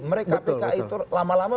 mereka pki itu lama lama